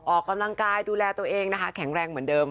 ออกกำลังกายดูแลตัวเองนะคะแข็งแรงเหมือนเดิม